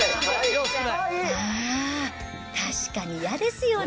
あー、確かに嫌ですよね。